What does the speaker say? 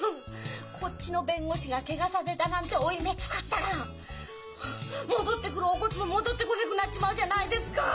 こっちの弁護士がケガさせたなんて負い目作ったら戻ってくるお骨も戻ってこねぐなっちまうじゃないですか！